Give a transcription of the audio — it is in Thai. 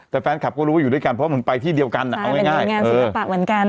แต่แฟนคลับก็รู้ว่าอยู่ด้วยกันเพราะมันไปที่เดียวกันเอาง่ายงานศิลปะเหมือนกัน